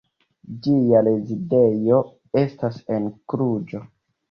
Ĝia rezidejo estas en Kluĵo.